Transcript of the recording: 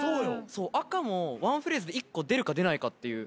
赤も１フレーズで１個出るか出ないかっていう。